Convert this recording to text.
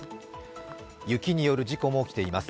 雪による事故も起きています。